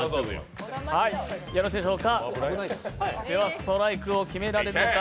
ストライクを決められるのか。